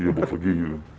iya bawa pergi gitu